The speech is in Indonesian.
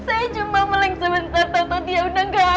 saya cuma melengsa bentar tonton dia udah nggak ada